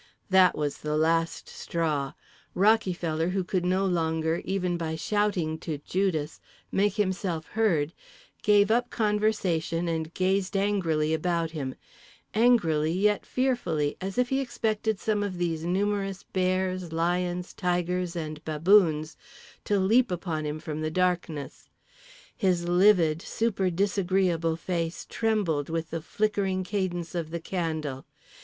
That was the last straw: Rockyfeller, who could no longer (even by shouting to Judas) make himself heard, gave up conversation and gazed angrily about him; angrily yet fearfully, as if he expected some of these numerous bears, lions, tigers and baboons to leap upon him from the darkness. His livid super disagreeable face trembled with the flickering cadence of the candle.